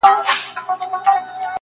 داده پښـــــتانه اشـــــــنــــٰــا,